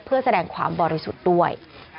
เพื่อแสดงความบริสุทธิ์ด้วย